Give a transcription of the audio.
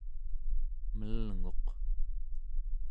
melnguq